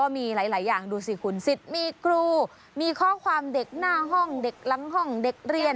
มีหลายอย่างดูสิคุณสิทธิ์มีครูมีข้อความเด็กหน้าห้องเด็กหลังห้องเด็กเรียน